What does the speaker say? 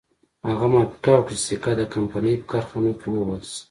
هغه موافقه وکړه چې سکه د کمپنۍ په کارخانو کې ووهل شي.